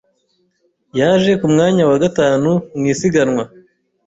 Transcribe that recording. Yaje ku mwanya wa gatanu mu isiganwa.